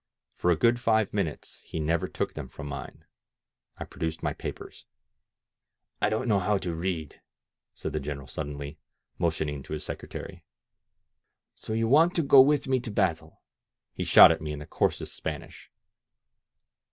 For a good five minutes he never took them from mine. I produced my papers. "I don't know how to read," said the General sud denly, motioning to his secretary. "So you want to go with me to battle?" he shot at me in the coarsest Spanish.